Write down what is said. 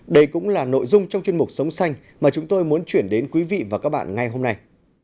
đây cũng là nội dung trong chuyên mục sống xanh mà chúng tôi muốn chuyển đến quý vị và các bạn ngay hôm nay